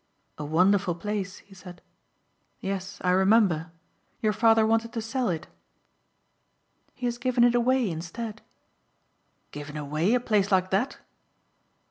"A wonderful place," he said. "Yes, I remember. Your father wanted to sell it." "He has given it away instead." "Given away a place like that?"